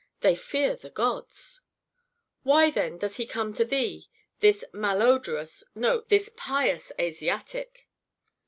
They fear the gods." "Why, then, does he come to thee, this malodorous no this pious Asiatic?"